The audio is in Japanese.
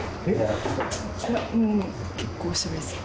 いやもう結構おしゃべりですよ。